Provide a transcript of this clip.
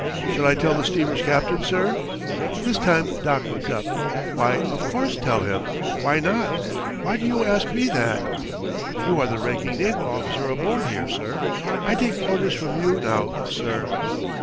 "Shall I tell the steamer's captain, sir?" This time Doc looked up. "Why, of course, tell him. Why not? Why do you ask me that?" "You are the ranking naval officer aboard here, sir. I take orders from you now, sir."